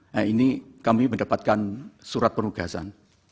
nah ini kami mendapatkan surat penugasan